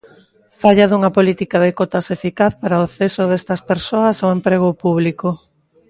Falla dunha política de cotas eficaz para o acceso destas persas ao emprego público.